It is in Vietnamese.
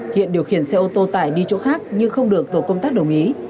thiện điều khiển xe ô tô tải đi chỗ khác nhưng không được tổ công tác đồng ý